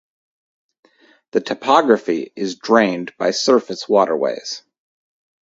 The topography is drained by surface waterways.